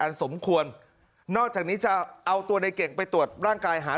สมควรนอกจากนี้จะเอาตัวในเก่งไปตรวจร่างกายหา